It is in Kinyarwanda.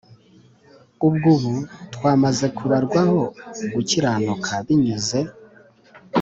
Ubwo ubu twamaze kubarwaho gukiranuka binyuze